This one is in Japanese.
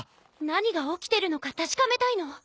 何が起きてるのか確かめたいの。